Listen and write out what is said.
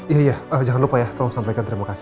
iya jangan lupa ya tolong sampaikan terima kasih